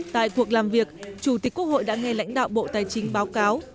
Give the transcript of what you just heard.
tại cuộc làm việc chủ tịch quốc hội đã nghe lãnh đạo bộ tài chính báo cáo